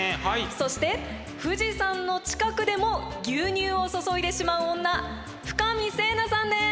そして富士山の近くでも牛乳を注いでしまう女深見星奈さんです！